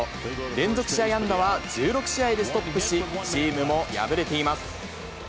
連続試合安打は１６試合でストップし、チームも敗れています。